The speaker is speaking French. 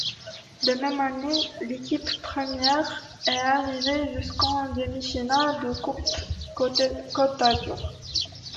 La même année, l'équipe première est arrivée jusqu'en demi-finale de Coupe Côte d'Azur.